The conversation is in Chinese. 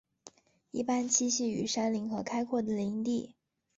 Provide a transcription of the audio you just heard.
一般栖息于山林和开阔的林地。